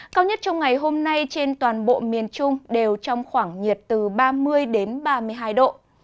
cao nhất trong ngày hôm nay trên toàn bộ miền trung đều trong khoảng nhiệt từ ba mươi đến ba mươi hai độ